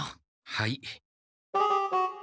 はい。